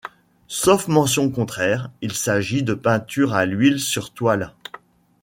Sauf mention contraire, il s'agit de peintures à l'huile sur toile.